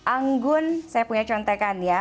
anggun saya punya contekan ya